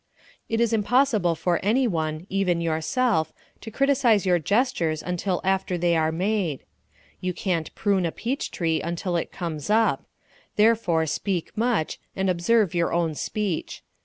It is impossible for anyone even yourself to criticise your gestures until after they are made. You can't prune a peach tree until it comes up; therefore speak much, and observe your own speech.